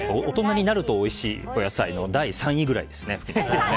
大人になるとおいしいお野菜の第３位くらいですね。